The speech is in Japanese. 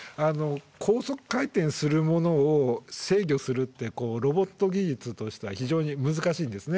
高速回転するものを制御するってロボット技術としては非常に難しいんですね。